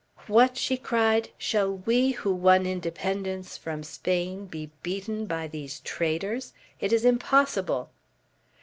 "What!" she cried, "shall we who won independence from Spain, be beaten by these traders? It is impossible!"